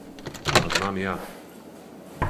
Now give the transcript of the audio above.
А знам и ја.